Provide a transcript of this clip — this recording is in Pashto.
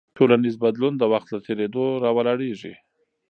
ټولنیز بدلون د وخت له تېرېدو راولاړېږي.